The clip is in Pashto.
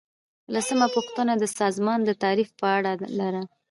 لسمه پوښتنه د سازمان د تعریف په اړه ده.